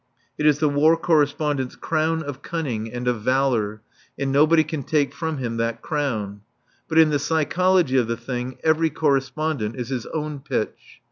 It is the War Correspondent's crown of cunning and of valour, and nobody can take from him that crown. But in the psychology of the thing, every Correspondent is his own pitch.